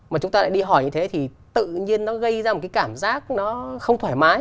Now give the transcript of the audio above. mà chúng ta lại đi hỏi như thế thì tự nhiên nó gây ra một cái cảm giác nó không thoải mái